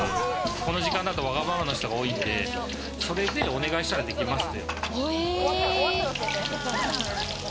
この時間だとわがままな人多いんで、お願いしたらできますって。